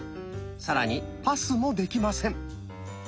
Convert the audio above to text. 更にパスもできません。